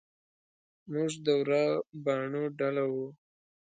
موږ د ورا باڼو ډله وو.